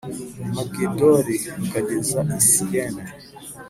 I migidoli r ukageza i siyene